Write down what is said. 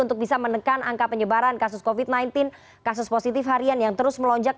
untuk bisa menekan angka penyebaran kasus covid sembilan belas kasus positif harian yang terus melonjak